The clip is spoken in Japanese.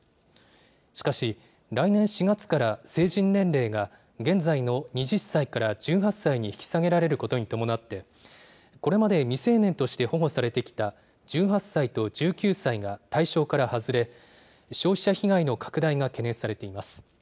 しかし、来年４月から成人年齢が現在の２０歳から１８歳に引き下げられることに伴って、これまで未成年として保護されてきた１８歳と１９歳が対象から外れ、消費者被害の拡大が懸念されています。